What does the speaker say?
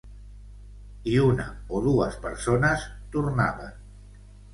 I una o dues persones tornaven.